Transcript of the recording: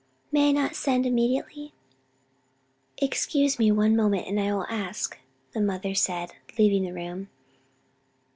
"May I not send immediately?" "Excuse me one moment, and I will ask," the mother said, leaving the room.